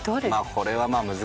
これは難しい。